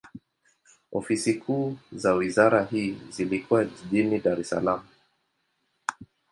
Ofisi kuu za wizara hii zilikuwa jijini Dar es Salaam.